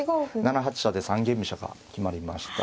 ７八飛車で三間飛車が決まりました。